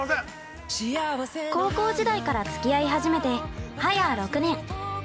◆高校時代からつき合い始めてはや６年。